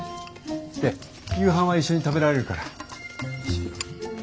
で夕飯は一緒に食べられるから。